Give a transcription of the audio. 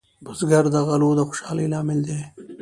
بزګر د غلو د خوشحالۍ لامل دی